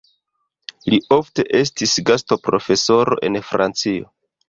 Li ofte estis gastoprofesoro en Francio.